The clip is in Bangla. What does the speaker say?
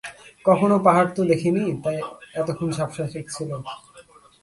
কখনো পাহাড় তো দেখি নি, তাই এতক্ষণ ঝাপসা ঠেকছিল।